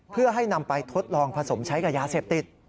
เพื่อให้นำไปทดลองผสมใช้กับยาเสพติด